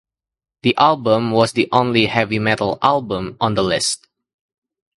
The album was the only heavy metal album on the list.